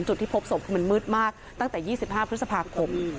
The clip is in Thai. จุดที่พบศพคือมันมืดมากตั้งแต่๒๕พฤษภาคม